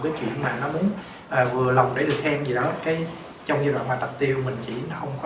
cái chuyện mà nó muốn vừa lòng để được khen gì đó cái trong giai đoạn mà tập tiêu mình chỉ không có